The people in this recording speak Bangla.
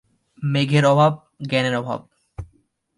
মেঘের অভাব জ্ঞানের অভাব।